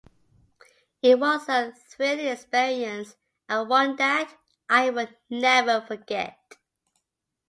It was a thrilling experience and one that I will never forget.